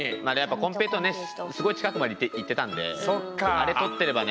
コンペイトウすごい近くまでいっていたんであれ取ってればね。